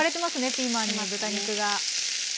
ピーマンに豚肉が。